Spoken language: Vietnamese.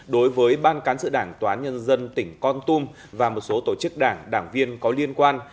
đối với ban cán sự đảng tòa án nhân dân tỉnh con tum và một số tổ chức đảng đảng viên có liên quan